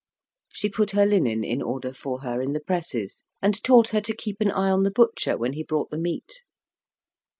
She put her linen in order for her in the presses, and taught her to keep an eye on the butcher when he brought the meat.